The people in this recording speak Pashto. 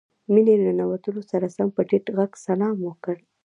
مينې له ننوتو سره سم په ټيټ غږ سلام وکړ.